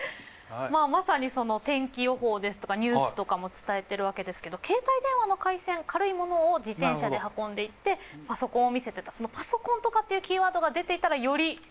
まあまさに天気予報ですとかニュースとかも伝えてるわけですけど携帯電話の回線軽いものを自転車で運んでいってパソコンを見せてたそのパソコンとかっていうキーワードが出ていたらより。